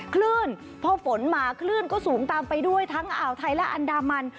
คลื่นพอฝนมาคลื่นก็สูงตามไปด้วยทั้งอ่าวไทยและอันดามัน